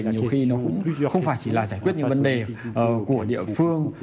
nhiều khi nó cũng không phải chỉ là giải quyết những vấn đề của địa phương